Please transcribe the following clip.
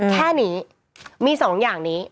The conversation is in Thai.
แค่นี้มี๒อย่างนี้